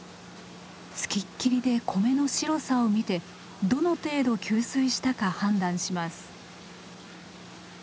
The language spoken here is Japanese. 付きっきりで米の白さを見てどの程度吸水したか判断します。